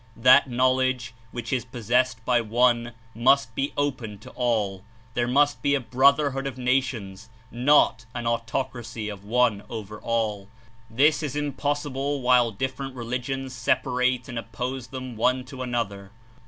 That knowledge, which Is possessed by one must be open to all; there must be a brotherhood of nations, not an autocracy of one over all. This Is Impossible while different religions separate and oppose them one to another.